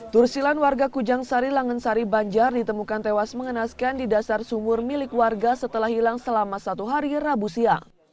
tursilan warga kujang sari langensari banjar ditemukan tewas mengenaskan di dasar sumur milik warga setelah hilang selama satu hari rabu siang